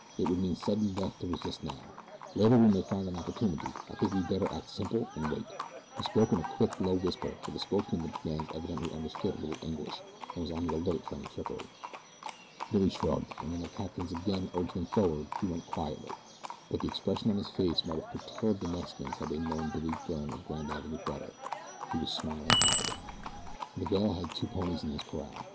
It would mean sudden death to resist now. Later we may find an opportunity I think we'd better act simple and wait." He spoke in a quick, low whisper, for the spokesman of the brigands evidently understood a little English and was on the alert for any trickery. Billy shrugged, and when their captors again urged them forward he went quietly; but the expression on his face might have perturbed the Mexicans had they known Billy Byrne of Grand Avenue better he was smiling happily. Miguel had two ponies in his corral.